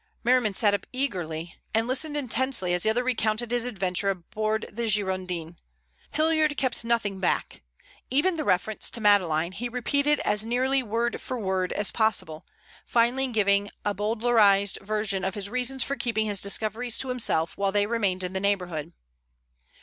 Merriman sat up eagerly, and listened intently as the other recounted his adventure aboard the Girondin. Hilliard kept nothing back; even the reference to Madeleine he repeated as nearly word for word as possible, finally giving a bowdlerized version of his reasons for keeping his discoveries to himself while they remained in the neighborhood.